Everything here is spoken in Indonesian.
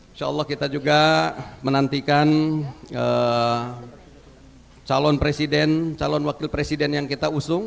insya allah kita juga menantikan calon presiden calon wakil presiden yang kita usung